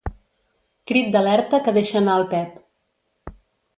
Crit d'alerta que deixa anar el Pep.